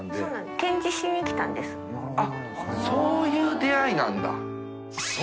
あっそういう出会いなんだ磴